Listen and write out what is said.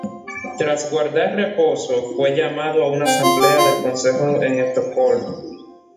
Tras guardar reposo, fue llamado a una asamblea del consejo en Estocolmo.